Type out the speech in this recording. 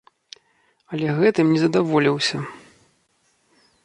Але гэтым не задаволіўся.